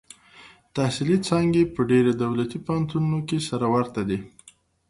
تحصیلي څانګې په ډېرو دولتي پوهنتونونو کې سره ورته دي.